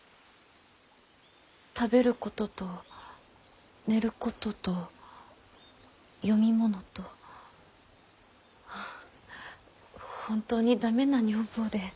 食べることと寝ることと読み物と本当に駄目な女房で。